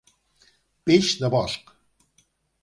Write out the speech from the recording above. Peix de bosc.